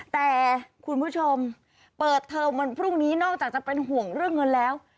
แต่คุณผู้ชมเปิดเทอมวันพรุ่งนี้นอกจากจะเป็นห่วงเรื่องเงินแล้ว